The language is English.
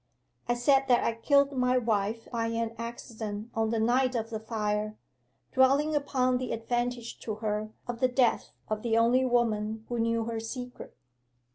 I said that I killed my wife by an accident on the night of the fire, dwelling upon the advantage to her of the death of the only woman who knew her secret.